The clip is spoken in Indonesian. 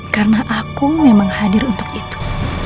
karena aku memang hadir untuk itu